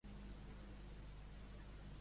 Nosaltres seguirem a la taula de diàleg.